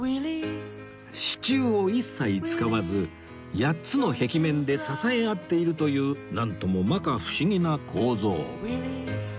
支柱を一切使わず８つの壁面で支え合っているというなんとも摩訶不思議な構造